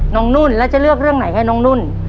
นุ่นแล้วจะเลือกเรื่องไหนให้น้องนุ่น